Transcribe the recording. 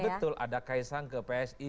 betul ada kaisang ke psi